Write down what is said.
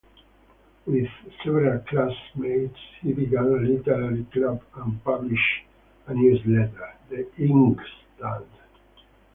With several classmates, he began a literary club and published a newsletter, "The Inkstand".